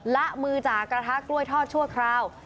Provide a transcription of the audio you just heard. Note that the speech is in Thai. ละมือจากกระทะกล้วยทอดชั่วคราว